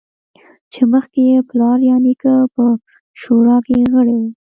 چې مخکې یې پلار یا نیکه په شورا کې غړی و